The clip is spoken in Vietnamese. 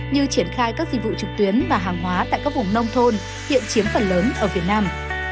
như triển khai các dịch vụ trực tuyến và hàng hóa tại các vùng nông thôn hiện chiếm phần lớn ở việt nam